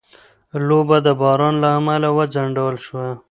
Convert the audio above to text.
لوبه د باران له امله وځنډول شوه.